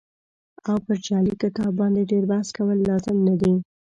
او پر جعلي کتاب باندې ډېر بحث کول لازم نه دي.